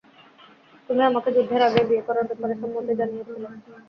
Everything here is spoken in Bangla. তুমি আমাকে যুদ্ধের আগেই বিয়ে করার ব্যাপারে সম্মতি জানিয়েছিলে।